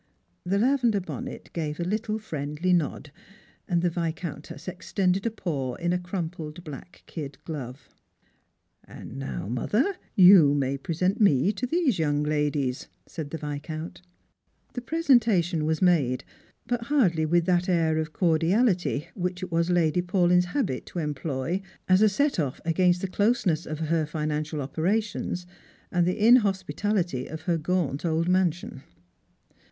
The lavender bonnet gave a little friendly nod, and the Viscountess extended a paw in a crumpled black kid glove. " And now, mother, you may present me to these young 'adies," said the Viscount. The presentation was made, but hardly with that air of cor diality which it was Lady Paulyn's habit to employ as a set ofJ against the closeness of her financial operations aud the inhospi tality of her gaunt old mansion.